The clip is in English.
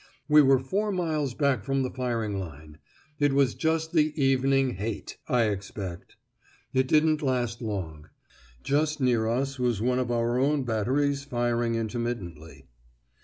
We were four miles back from the firing line. It was just the 'evening hate,' I expect. It didn't last long. Just near us was one of our own batteries firing intermittently."